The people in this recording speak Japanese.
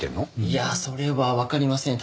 いやそれはわかりません。